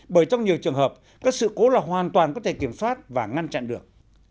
bởi trong nhiều trường hợp các sự cố là hoàn toàn có thể kiểm soát và ngăn chặn được